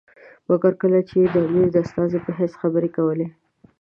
مګر کله چې یې د امیر د استازي په حیث خبرې کولې.